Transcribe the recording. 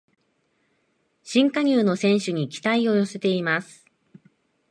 新加入の選手に期待を寄せています